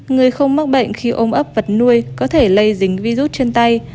người không mắc bệnh khi ôm ấp vật nuôi có thể lây dính virus chân tay